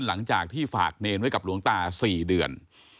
หลังจากที่ฝากเนรไว้กับหลวงตา๔เดือน